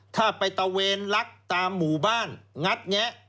ถ้าไปตะเวนลักตามหมู่บ้านงัดแงะ